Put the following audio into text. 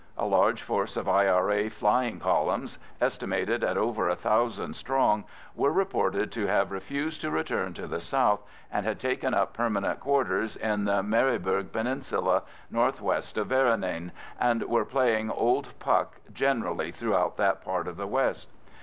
A large force of I.R.A. flying columns, estimated at over a thousand strong, were reported to have refused to return to the south, and had taken up permanent quarters in the Maryburgh Peninsula, north west of Errinane, and were playing old puck generally throughout that part of the west.